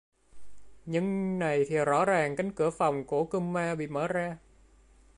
Nhưng này thì rõ ràng cánh cửa phòng của kuman bị mở ra